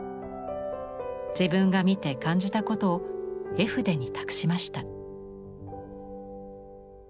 自分が見て感じたことを絵筆に託しました。